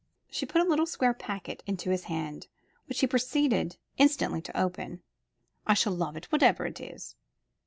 She put a little square packet into his hand, which he proceeded instantly to open. "I shall love it, whatever it is."